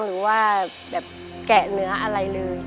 หรือว่าแบบแกะเนื้ออะไรเลย